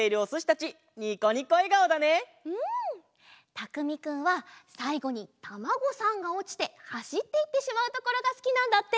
たくみくんはさいごにタマゴさんがおちてはしっていってしまうところがすきなんだって！